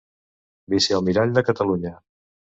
Vicealmirall de Catalunya.